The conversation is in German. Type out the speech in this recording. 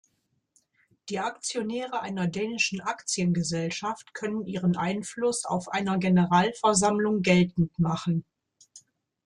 Die Aktionäre einer dänischen Aktiengesellschaft können ihren Einfluss auf einer Generalversammlung geltend machen.